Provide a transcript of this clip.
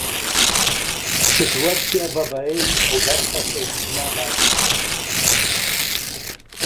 Sytuacja w Abyei pogarsza się z dnia na dzień